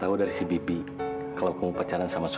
aku kan udah bilang aku tuh sayang sama kamu